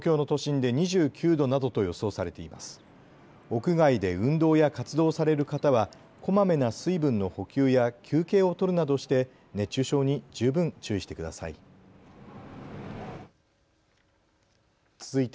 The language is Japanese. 屋外で運動や活動をされる方はこまめな水分の補給や休憩をとるなどして熱中症に十分注意してください。